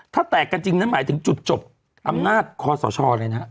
ถ้าแตกกันจริงนั้นหมายถึงจุดจบอำนาจคอสชเลยนะ